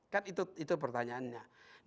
kan itu pertanyaannya